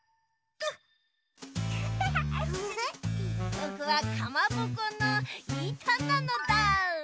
ぼくはかまぼこのいたなのだ。